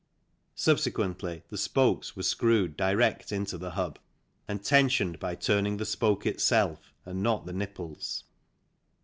Subsequently the spokes were screwed direct into the hub and tensioned by turning the spoke itself and not the nipples.